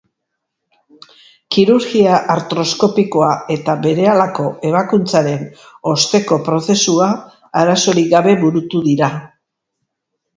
Kirurgia artroskopikoa eta berehalako ebakuntzaren osteko prozesua arazorik gabe burutu dira.